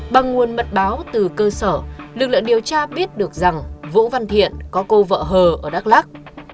bằng nguồn mật báo từ cơ sở lực lượng điều tra biết được rằng vũ văn thiện có cô vợ hờ ở đắk lắc